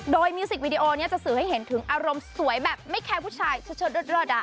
โดยมิวสิกวีดีโอนี้จะสื่อให้เห็นถึงอารมณ์สวยแบบไม่แคร์ผู้ชายเชิดเลิศ